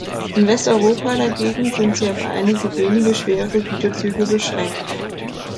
In Westeuropa dagegen sind sie auf einige wenige schwere Güterzüge beschränkt.